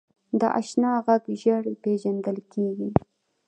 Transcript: د اشنا غږ ژر پیژندل کېږي